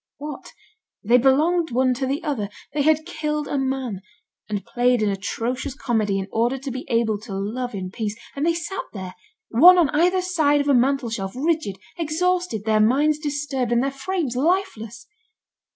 What! they belonged one to the other, they had killed a man, and played an atrocious comedy in order to be able to love in peace, and they sat there, one on either side of a mantelshelf, rigid, exhausted, their minds disturbed and their frames lifeless!